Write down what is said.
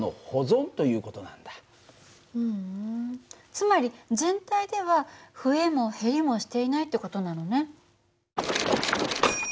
ふんつまり全体では増えも減りもしていないって事なのね。